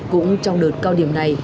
cũng trong đợt cao điểm này